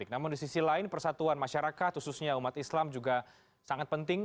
namun di sisi lain persatuan masyarakat khususnya umat islam juga sangat penting